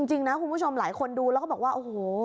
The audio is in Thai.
จริงนะคุณผู้ชมหลายคนดูแล้วก็บอกว่าโอ้โห